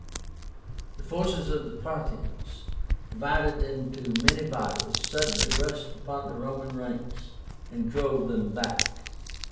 The forces of the Parthians, divided into many bodies, suddenly rushed upon the Roman ranks, and drove them back.